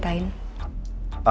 ada yang mau saya ceritain